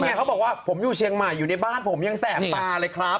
เขาบอกว่าผมอยู่เชียงใหม่อยู่ในบ้านผมยังแสบตาเลยครับ